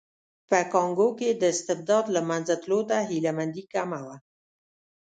په کانګو کې د استبداد له منځه تلو ته هیله مندي کمه وه.